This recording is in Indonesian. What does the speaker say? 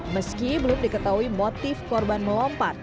meski belum diketahui motif korban melompat